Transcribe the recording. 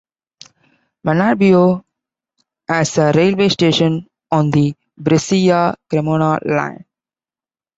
Manerbio has a railway station on the Brescia-Cremona line.